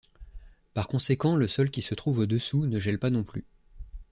Par conséquent, le sol qui se trouve au-dessous ne gèle pas non plus.